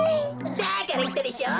だからいったでしょう。